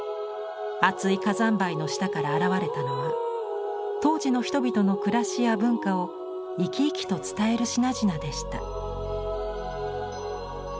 厚い火山灰の下から現れたのは当時の人々の暮らしや文化を生き生きと伝える品々でした。